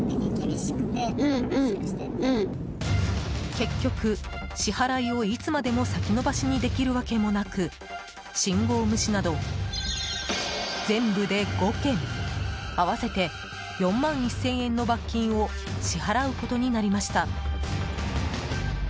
結局、支払いをいつまでも先延ばしにできるわけもなく信号無視など全部で５件合わせて４万１０００円の罰金を支払うことになりました。